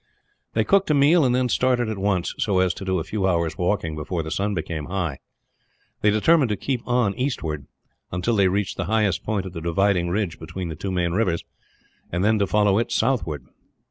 They cooked a meal and then started at once, so as to do a few hours' walking before the sun became high. They determined to keep on eastward, until they reached the highest point of the dividing ridge between the two main rivers, and then to follow it southward.